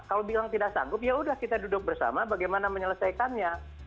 kalau bilang tidak sanggup ya udah kita duduk bersama bagaimana menyelesaikannya